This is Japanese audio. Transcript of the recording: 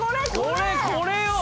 これこれよ！